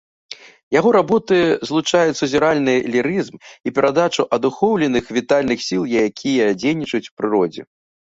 Яго работы злучаюць сузіральны лірызм і перадачу адухоўленых вітальных сіл, якія дзейнічаюць у прыродзе.